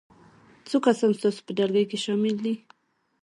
څو کسان ستاسو په ډلګي کې شامل دي؟